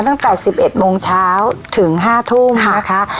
ตั้งแต่๑๑โมงเช้าถึง๕ทุ่มนะคะ